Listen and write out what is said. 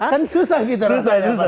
kan susah gitu rasanya